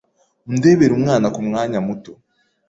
Undebere umwana kumwanya muto.